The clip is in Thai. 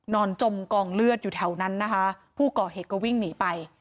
จมกองเลือดอยู่แถวนั้นนะคะผู้ก่อเหตุก็วิ่งหนีไป